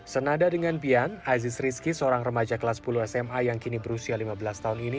senada dengan bian aziz rizki seorang remaja kelas sepuluh sma yang kini berusia lima belas tahun ini